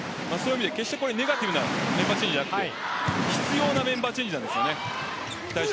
これは決してネガティブなメンバーチェンジじゃなくて必要なメンバーチェンジです。